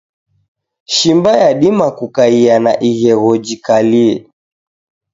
Shimba yadima kukaia na ighegho jikalie.